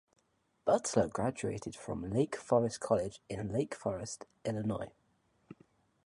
Butler graduated from Lake Forest College in Lake Forest, Illinois.